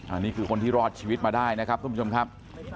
อันนี้คือคนที่รอดชีวิตมาได้นะครับทุกผู้ชมครับ